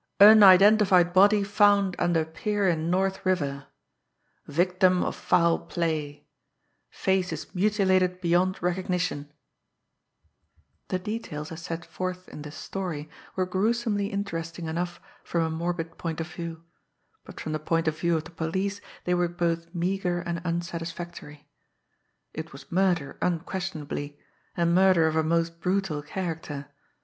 UNIDENTIFIED BODY FOUND UNDER PIER IN NORTH RIVER VICTIM OF FOUL PLAY FACE IS MUTILATED BEYOND RECOGNITION The details as set forth in the "story" were gruesomely interesting enough from a morbid point of view; but from the point of view of the police they were both meagre and unsatisfactory. It was murder unquestionably and murder of a most brutal character.